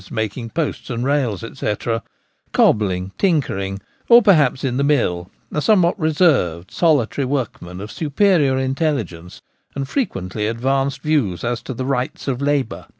making posts and rails, &c. — cobbling, tinkering,, or perhaps in the mill ; a somewhat reserved, solitary workman of superior intelligence and frequently advanced views as to the ' rights of labour.'